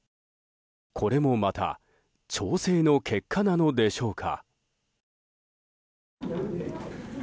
これもまた調整の結果なのでしょうか。